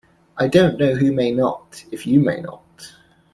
I don't know who may not, if you may not.